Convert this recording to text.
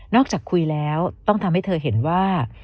จากคุยแล้วต้องทำให้เธอเห็นว่า